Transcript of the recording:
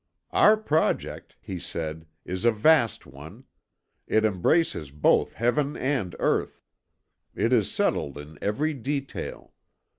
"Our project," he said, "is a vast one. It embraces both Heaven and Earth. It is settled in every detail.